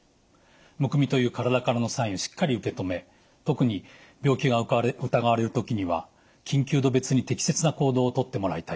むくみという体からのサインをしっかり受け止め特に病気が疑われる時には緊急度別に適切な行動を取ってもらいたいと思います。